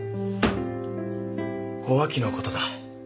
おあきのことだ。